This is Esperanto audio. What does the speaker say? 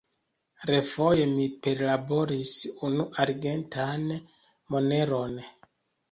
Refoje mi perlaboris unu arĝentan moneron.